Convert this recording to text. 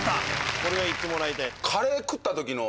これは行ってもらいたい。